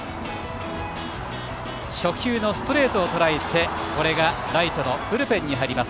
初球のストレートをとらえてこれがライトのブルペンに入ります。